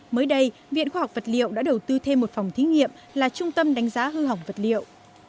mới đây viện khoa học vật liệu đã đầu tư thêm một phòng thí nghiệm là trung tâm đánh giá hư hỏng vật liệu